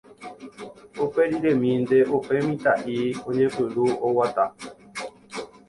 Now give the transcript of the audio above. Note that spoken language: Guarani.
Uperiremínte upe mitã'i oñepyrũ oguata.